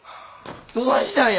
どないしたんや？